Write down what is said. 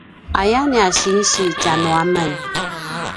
aya nia sinsi tjanuamen